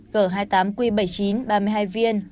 g hai mươi tám q bảy mươi chín ba mươi hai viên